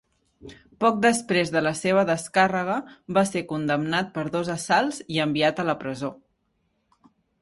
Poc després de la seva descàrrega, va ser condemnat per dos assalts i enviat a la presó.